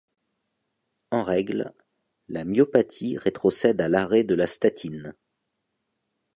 En règle, la myopathie rétrocède à l'arrêt de la statine.